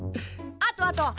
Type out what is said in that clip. あとあと！